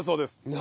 何？